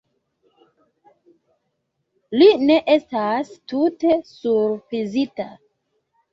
Li ne estas tute surprizita.